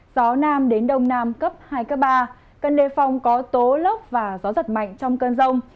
gió nam đến đông nam cấp hai ba cân lê phong có tố lốc và gió giật mạnh trong cân rông